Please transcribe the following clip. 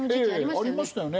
ありましたよね。